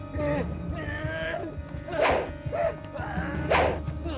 kau tak tahu apa yang terjadi